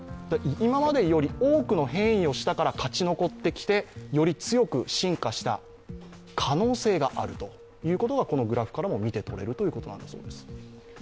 今までより多くの変異をしたから勝ち残ってきて、より強く進化した可能性があるということがこのグラフからも見て取れるということだそうです。